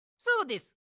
そうです。